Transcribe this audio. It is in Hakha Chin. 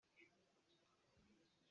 Na sual ahcun na sual zat in na in lai.